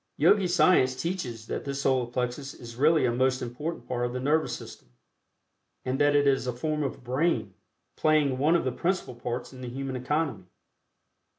Yogi science teaches that this Solar Plexus is really a most important part of the Nervous System, and that it is a form of brain, playing one of the principal parts in the human economy.